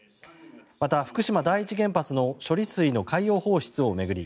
また、福島第一原発の処理水の海洋放出を巡り